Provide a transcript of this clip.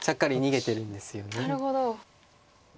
なるほど。